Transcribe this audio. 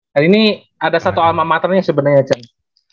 hari ini ada satu almamaternya sebenernya cenk